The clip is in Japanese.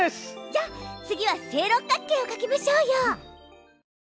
じゃあ次は正六角形を描きましょうよ！